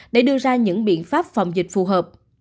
để đưa ra những biện pháp phòng dịch phù hợp